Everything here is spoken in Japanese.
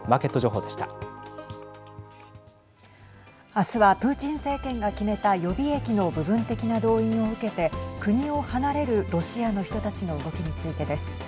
明日は、プーチン政権が決めた予備役の部分的な動員を受けて国を離れるロシアの人たちの動きについてです。